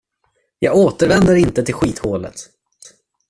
Jag återvänder inte till skithålet!